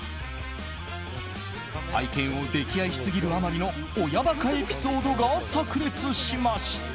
愛犬を溺愛しすぎるあまりの親ばかエピソードがさく裂しました。